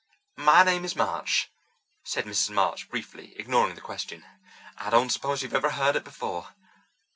"My name is March," said Mrs. March briefly, ignoring the question. "I don't suppose you ever heard it before."